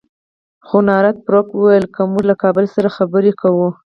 خو نارت بروک وویل که موږ له کابل سره خبرې کوو.